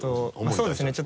まぁそうですね